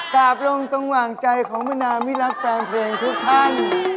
กราบลงตรงหว่างใจของเมื่อนามีรักต่างเพลงทุกท่าน